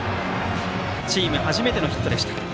チーム初めてのヒットでした。